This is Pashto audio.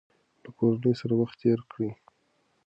له کورنۍ سره وخت تېر کړئ.